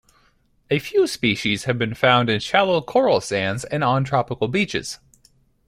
A few species have been found in shallow coral sands and on tropical beaches.